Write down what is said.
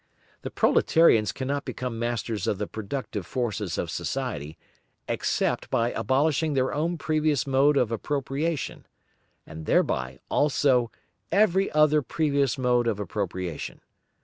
The proletarians cannot become masters of the productive forces of society, except by abolishing their own previous mode of appropriation, and thereby also every other previous mode of appropriation.